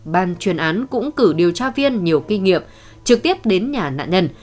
ban chuyên án cũng cử điều tra viên nhiều kinh nghiệm trực tiếp đến nhà nạn nhân